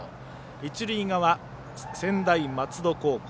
一塁側、専大松戸高校。